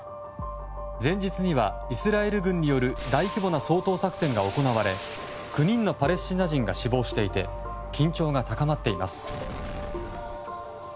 前日には、イスラエル軍による大規模な掃討作戦が行われ９人のパレスチナ人が死亡していて緊張が高まっています。